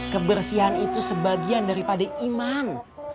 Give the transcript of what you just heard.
kebersihan itu sebagian daripada iman